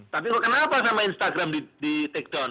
tapi kok kenapa sama instagram di take down